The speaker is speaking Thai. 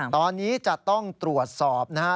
ตอนนี้จะต้องตรวจสอบนะฮะ